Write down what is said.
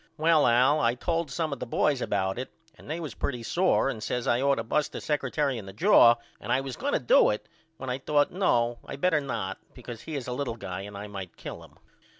Well All told some of the boys about it and they was pretty sore and says I ought to bust the secretary in the jaw and I was going to do it when I thought No I better not because he is a little guy and I might kill him.